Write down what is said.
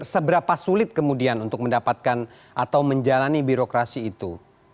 seberapa sulit kemudian untuk mendapatkan atau menjalani birokrasi itu